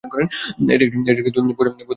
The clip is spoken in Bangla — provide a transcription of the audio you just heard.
এটি একটি বহুদলীয় রাজনৈতিক ব্যবস্থা।